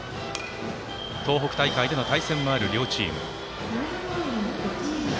東北大会でも対戦のある両チーム。